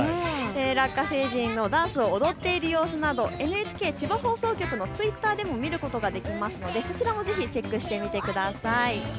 ラッカ星人のダンスを踊っている様子などＮＨＫ千葉放送局のツイッターでも見ることができますのでそちらもぜひチェックしてみてください。